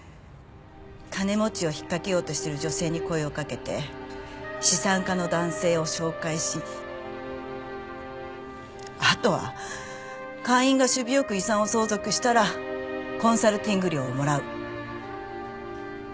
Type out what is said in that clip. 金持ちを引っかけようとしている女性に声をかけて資産家の男性を紹介しあとは会員が首尾よく遺産を相続したらコンサルティング料をもらう。